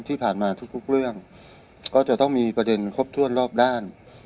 ที่ผ่านมาทุกเรื่องก็จะต้องมีประเด็นครบถ้วนรอบด้าน